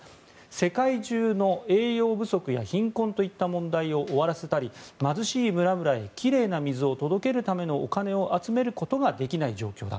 世界中の栄養不足や貧困といった問題を終わらせたり、貧しい村々へきれいな水を届けるためのお金を集めることができない状況だ。